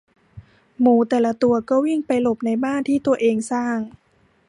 หมูแต่ละตัวก็วิ่งไปหลบในบ้านที่ตัวเองสร้าง